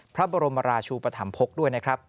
พระบรมราชูปธรรมภกด้วยนะครับ